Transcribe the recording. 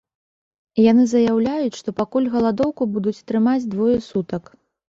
Яны заяўляюць, што пакуль галадоўку будуць трымаць двое сутак.